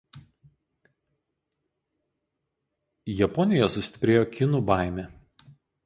Japonijoje sustiprėjo kinų baimė.